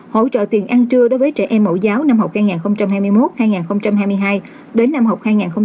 hỗ trợ tiền ăn trưa đối với trẻ em mẫu giáo năm học hai nghìn hai mươi một hai nghìn hai mươi hai đến năm học hai nghìn hai mươi hai nghìn hai mươi năm